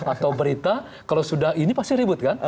atau berita kalau sudah ini pasti ribut kan